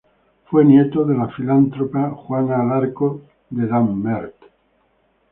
Fue nieto de la filántropa Juana Alarco de Dammert.